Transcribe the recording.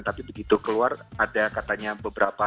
tapi begitu keluar ada katanya beberapa